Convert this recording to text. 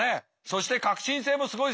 そして革新性もすごいです。